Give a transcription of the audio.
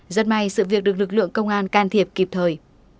rất may sự việc được lực lượng công an can thiệp kịp thời